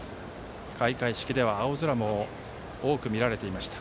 開会式では青空も多く見られていました。